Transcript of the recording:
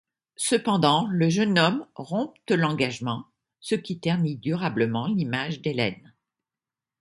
Cependant, le jeune homme rompt l'engagement, ce qui ternit durablement l'image d'Hélène.